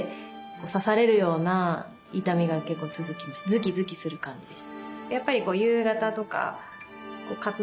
ズキズキする感じでした。